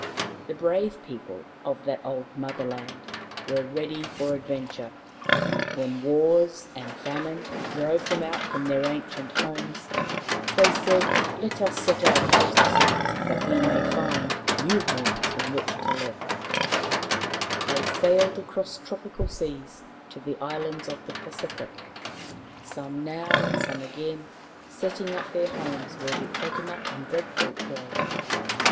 The brave people of that old Motherland were ready for adventure. When wars and famine drove them out from their ancient homes, they said, " Let us set out across the sea that we may find new homes in which to live." 17 18 Maoriland Fairy Tales They sailed across tropical seas to the islands of the Pacific, some now and some again, setting up their homes where the cocoa nut and bread fruit grow.